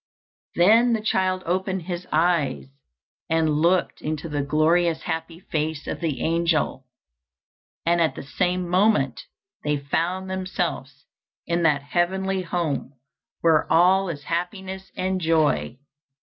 Then the child opened his eyes and looked into the glorious happy face of the angel, and at the same moment they found themselves in that heavenly home where all is happiness and joy.